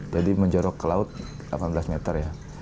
jadi menjorok ke laut delapan belas meter ya